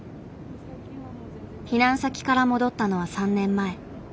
避難先から戻ったのは３年前。